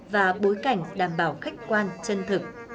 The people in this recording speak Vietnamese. và bối cảnh đảm bảo khách quan chân thực